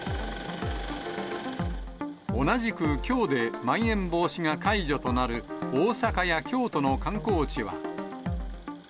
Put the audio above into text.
同じく、きょうでまん延防止が解除となる大阪や京都の観光地は。